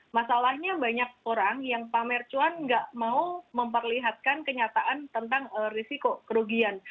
masalahnya banyak orang yang pamer cuan nggak mau memperlihatkan kenyataan tentang risiko kerugian